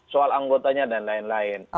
soal anggotanya dan lain lain